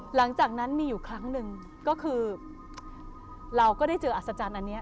หลังจากนั้นมีอยู่ครั้งหนึ่งก็คือเราก็ได้เจออัศจรรย์อันนี้